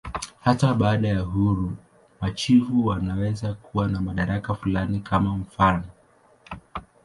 Hata baada ya uhuru, machifu wanaweza kuwa na madaraka fulani, kwa mfanof.